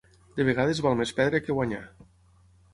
De vegades val més perdre que guanyar.